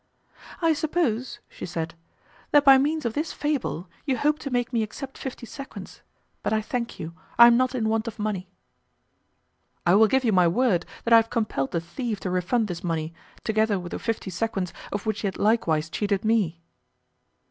"I suppose," she said, "that by means of this fable you hope to make me accept fifty sequins, but I thank you, I am not in want of money." "I give you my word that I have compelled the thief to refund this money, together with the fifty sequins of which he had likewise cheated me."